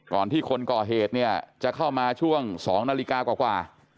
ที่คนก่อเหตุเนี่ยจะเข้ามาช่วง๒นาฬิกากว่า